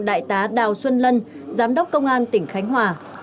đại tá đào xuân lân giám đốc công an tỉnh khánh hòa